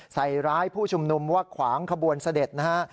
ใส่ร้ายผู้ชุมนุมว่าขวางขบวนเสด็จนะฮะ